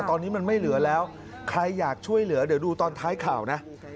ตอนนี้มันไม่เหลือแล้วใครอยากช่วยเหลือเดี๋ยวดูตอนท้ายข่าวนะ